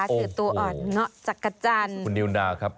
คือตัวอ่อนเงาะจักรจันทร์คุณนิวนาครับ